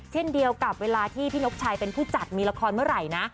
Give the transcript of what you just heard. เช่นเดียวกับเวลาที่พี่นกชัยเป็นผู้จัดมีละครเมื่อไหร่นะ